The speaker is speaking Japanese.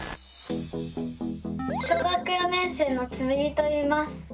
小学４年生のつむぎといいます。